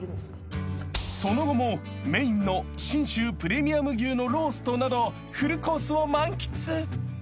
［その後もメインの信州プレミアム牛のローストなどフルコースを満喫］